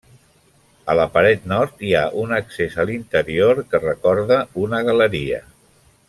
A la paret nord hi ha un accés a l'interior que recorda una galeria.